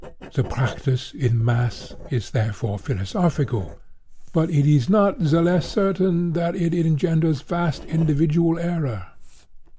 The practice, in mass, is therefore philosophical; but it is not the less certain that it engenders vast individual error.